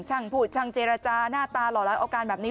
พูดช่างเจรจาหน้าตาหล่อร้ายเอาการแบบนี้